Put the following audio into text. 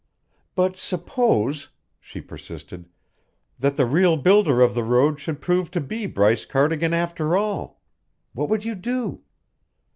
"But suppose," she persisted, "that the real builder of the road should prove to be Bryce Cardigan, after all. What would you do?"